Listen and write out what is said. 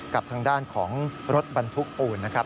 กับทางด้านของรถบรรทุกปูนนะครับ